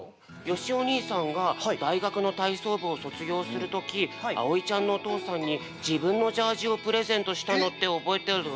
よしお兄さんが大学の体操部をそつぎょうするときあおいちゃんのおとうさんに自分のジャージをプレゼントしたのって覚えてる？